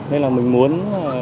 nên là mình muốn